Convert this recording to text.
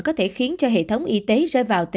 có thể khiến cho hệ thống y tế rơi vào